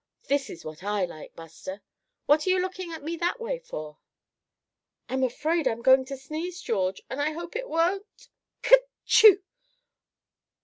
This is what I like, Buster. What are you looking at me that way for?" "I'm afraid I'm going to sneeze, George, and I hope it won't ker chew!